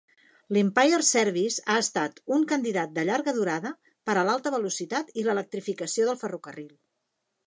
L'Empire Service ha estat un candidat de llarga durada per a l'alta velocitat i l'electrificació del ferrocarril.